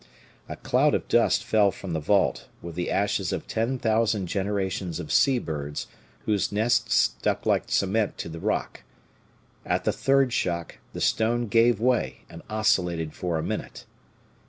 A cloud of dust fell from the vault, with the ashes of ten thousand generations of sea birds, whose nests stuck like cement to the rock. At the third shock the stone gave way, and oscillated for a minute.